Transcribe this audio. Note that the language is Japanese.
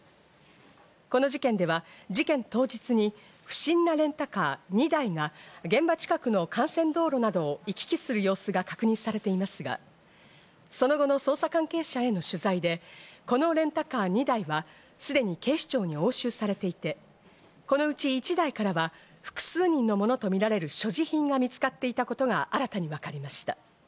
この事件では、事件当日に不審なレンタカーに２台が現場近くの幹線道路などを行き来する様子が確認されていますが、その後の捜査関係者への取材でこのレンタカー２台はすでに警視庁に押収されていて、このうち１台からは複数人のものとみられる所持品が見つかっていたことが新たに分かりました。